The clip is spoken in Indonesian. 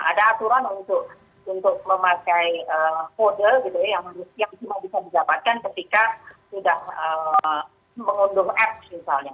ada aturan untuk memakai kode yang cuma bisa didapatkan ketika sudah mengundung app misalnya